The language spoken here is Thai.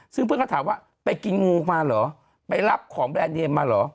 ซึ่งเพื่อนก็ถามว่าไปกินงูมาเหรอไปรับของแบรนด์เนมมาเหรอ